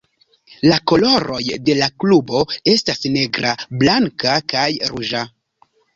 La koloroj de la klubo estas negra, blanka, kaj ruĝa.